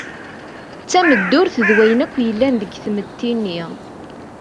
D tameddurt d wayen akk yellan deg tmetti-nni.